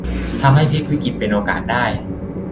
ทำให้พลิกวิกฤตเป็นโอกาสได้